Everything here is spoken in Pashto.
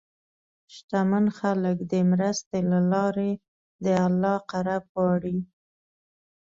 شتمن خلک د مرستې له لارې د الله قرب غواړي.